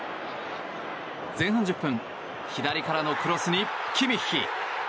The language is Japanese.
前半１０分左からのクロスにキミッヒ。